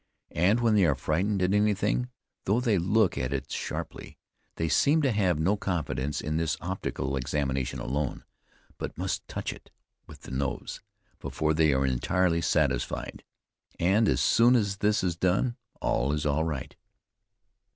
And, when they are frightened at anything, though they look at it sharply, they seem to have no confidence in this optical examination alone, but must touch it with the nose before they are entirely satisfied; and, as soon as this is done, all is right.